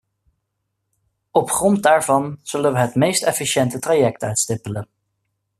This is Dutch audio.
Op grond daarvan zullen we het meest efficiënte traject uitstippelen.